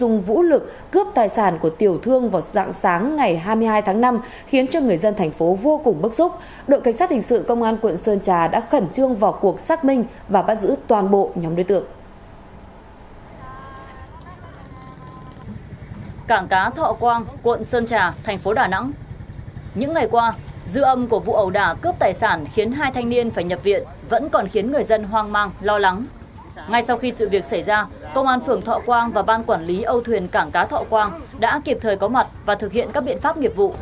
ngay sau khi sự việc xảy ra công an phưởng thọ quang và ban quản lý âu thuyền cảng cá thọ quang đã kịp thời có mặt và thực hiện các biện pháp nghiệp vụ